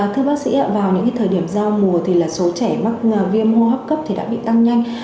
thưa bác sĩ vào những thời điểm giao mùa thì số trẻ mắc viêm hô hấp cấp đã bị tăng nhanh